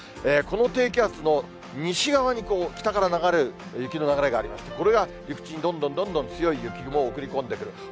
この低気圧の西側に北から流れる雪の流れがありまして、これが陸地にどんどんどんどん強い雪雲を送り込んでくる。